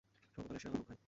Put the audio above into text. সর্বকালের সেরা নাটক, ভাই।